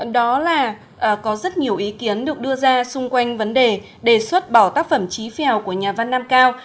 đó là có rất nhiều ý kiến được đưa ra xung quanh vấn đề đề xuất bỏ tác phẩm trí phèo của nhà văn nam cao